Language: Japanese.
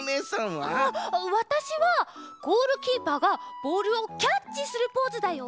わたしはゴールキーパーがボールをキャッチするポーズだよ。